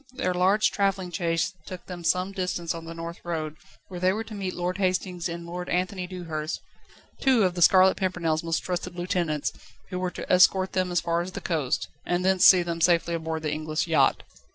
Their large travelling chaise took them some distance on the North Road, where they were to meet Lord Hastings and Lord Anthony Dewhurst, two of The Scarlet Pimpernel's most trusted lieutenants, who were to escort them as far as the coast, and thence see them safely aboard the English yacht.